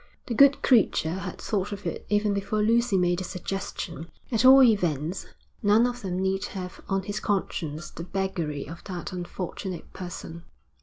The good creature had thought of it even before Lucy made the suggestion. At all events none of them need have on his conscience the beggary of that unfortunate person.